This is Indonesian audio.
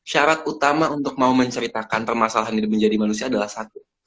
syarat utama untuk mau menceritakan permasalahan hidup menjadi manusia adalah satu